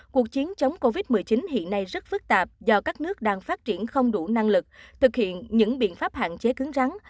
cuộc chiến chống covid một mươi chín hiện nay rất phức tạp do các nước đang phát triển không đủ năng lực thực hiện những biện pháp hạn chế cứng rắn